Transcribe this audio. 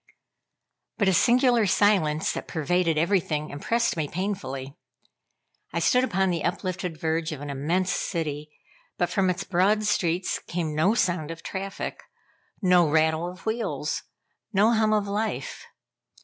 But a singular silence that pervaded everything impressed me painfully. I stood upon the uplifted verge of an immense city, but from its broad streets came no sound of traffic, no rattle of wheels, no hum of life.